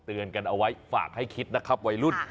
เตือนกันเอาไว้ฝากให้คิดนะครับวัยรุ่น